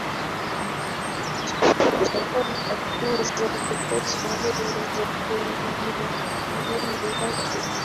Jacob alianza kukosa nguvu za kuumiliki mwili wake